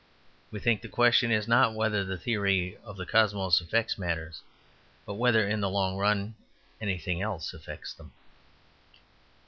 We think the question is not whether the theory of the cosmos affects matters, but whether in the long run, anything else affects them.